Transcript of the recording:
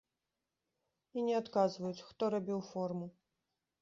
І не адказваюць, хто рабіў форму.